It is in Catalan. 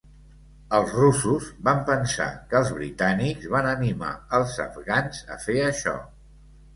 Els russos van pensar que els britànics van animar els afgans a fer això.